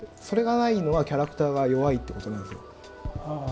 それがないのはキャラクターが弱いっていうことなんですよ。